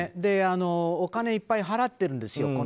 お金いっぱい払ってるんですよ